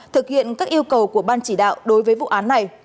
thực hiện các yêu cầu của ban chỉ đạo đối với vụ án này